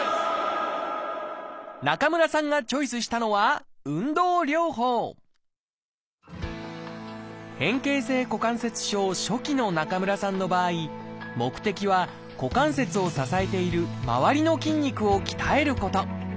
中村さんがチョイスしたのは変形性股関節症初期の中村さんの場合目的は股関節を支えている周りの筋肉を鍛えること。